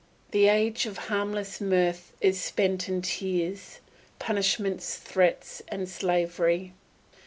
The age of harmless mirth is spent in tears, punishments, threats, and slavery.